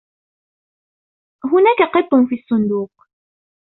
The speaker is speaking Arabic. هناك قط في الصندوق.